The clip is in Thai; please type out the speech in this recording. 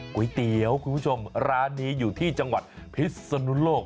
ก๋วยเตี๋ยวคุณผู้ชมร้านนี้อยู่ที่จังหวัดพิศนุโลก